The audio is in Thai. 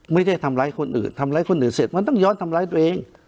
ไม่ได้ทำร้ายคนอื่นทำร้ายคนอื่นเสร็จมันต้องย้อนทำร้ายตัวเอง